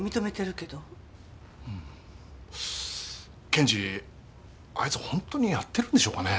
検事あいつ本当にやってるんでしょうかね？